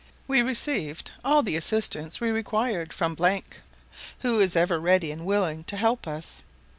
We received all the assistance we required from , who is ever ready and willing to help us.